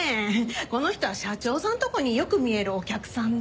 この人は社長さんのとこによく見えるお客さんで。